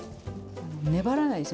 粘らないんです。